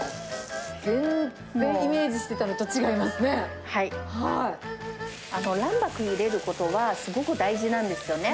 全然イメージしてたのと違い卵白入れることは、すごく大事なんですよね。